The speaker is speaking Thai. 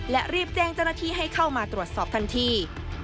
และรีบแจ้งเจ้าหน้าที่ให้เข้ามาตรวจสอบทันที